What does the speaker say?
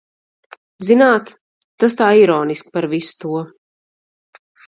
Zināt, tas tā ironiski par visu to.